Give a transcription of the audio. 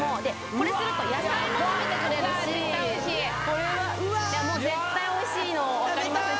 これすると野菜も食べてくれるしもう絶対おいしいのわかりますね